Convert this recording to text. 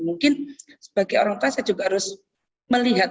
mungkin sebagai orang tua saya juga harus melihat